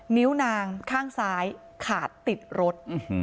นิ้วนางข้างซ้ายขาดติดรถ